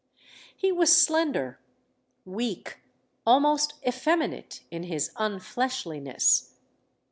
He was slender, weak, almost effeminate in his unHeshliness.